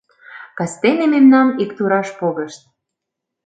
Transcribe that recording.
Кастене мемнам иктураш погышт.